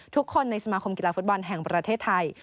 ทุกคนในสมาคมกีฬาฟุตบอลแห่งประเทศไทย